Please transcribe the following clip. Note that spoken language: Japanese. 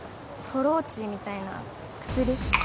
・トローチみたいな薬？